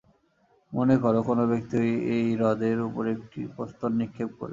মনে কর, কোন ব্যক্তি এই হ্রদের উপর একটি প্রস্তর নিক্ষেপ করিল।